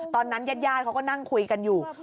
ตอนนั้นญาติเขาก็นั่งคุยกันอยู่